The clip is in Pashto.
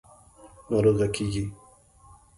– ناروغه کېږې.